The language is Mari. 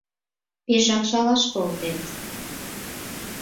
Пешак шалаш колтет...